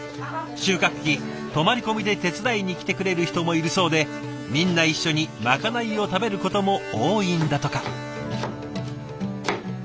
収穫期泊まり込みで手伝いに来てくれる人もいるそうでみんな一緒にまかないを食べることも多いんだとか。